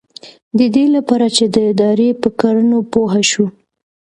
ددې لپاره چې د ادارې په کړنو پوه شو.